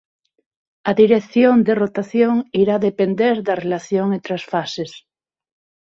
A dirección de rotación irá depender da relación entre as fases.